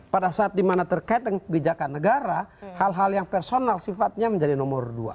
pada saat dimana terkait dengan kebijakan negara hal hal yang personal sifatnya menjadi nomor dua